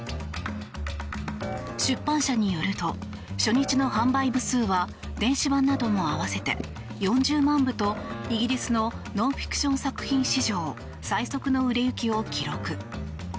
出版社によると初日の販売部数は電子版なども合わせて４０万部とイギリスのノンフィクション作品史上最速の売れ行きを記録。